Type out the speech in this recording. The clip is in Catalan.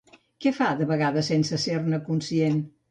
Què fa de vegades sense ser-ne conscient?